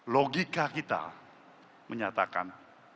logika kita menyatakan